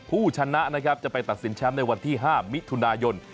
ผู้ชนะนะครับจะไปตัดสินแชมป์ในวันที่๕มิถุนายน